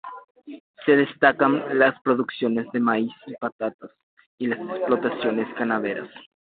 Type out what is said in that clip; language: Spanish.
Se destacan las producciones de maíz y patatas, y las explotaciones ganaderas.